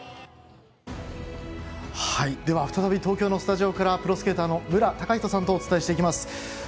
再び東京のスタジオからプロスケーターの無良崇人さんとお伝えしていきます。